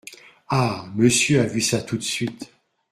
Ah ! monsieur a vu ça tout de suite !